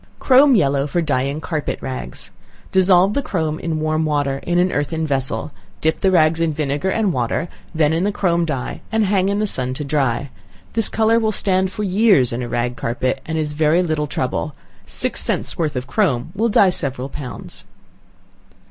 Chrome Yellow for Dyeing Carpet Rags. Dissolve the chrome in warm water in an earthen vessel; dip the rags in vinegar and water, then in the chrome dye, and hang in the sun to dry. This color will stand for years in a rag carpet, and is very little trouble. Six cents worth of chrome will dye several pounds.